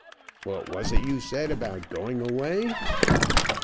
"What was it you said about going away?"